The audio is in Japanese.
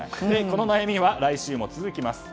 この悩みは来週も続きます。